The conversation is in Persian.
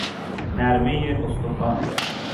نرمه استخوان